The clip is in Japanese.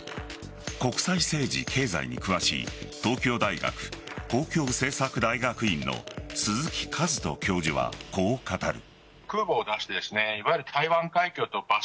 国際政治・経済に詳しい東京大学公共政策大学院の鈴木一人教授はこう語る。